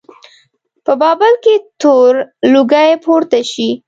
په بابل کې تور لوګی پورته شي.